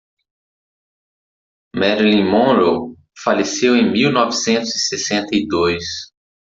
Marilyn Monroe faleceu em mil novecentos e sessenta e dois.